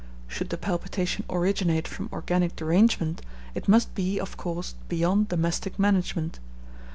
Should the palpitation originate from organic derangement, it must be, of course, beyond domestic management.